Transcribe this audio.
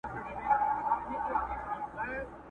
څنگه ټینگ به په خپل منځ کي عدالت کړو.!